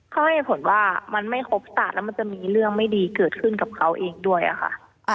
เขาให้ผลว่ามันไม่ครบศาสตร์แล้วมันจะมีเรื่องไม่ดีเกิดขึ้นกับเขาเองด้วยอะค่ะ